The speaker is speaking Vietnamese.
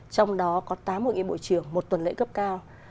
trong đó có tám hội nghị bộ trưởng một tuần lễ cấp cao